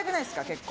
結構。